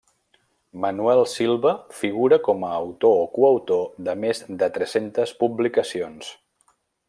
Manuel Silva figura com a autor o coautor de més de tres-centes publicacions.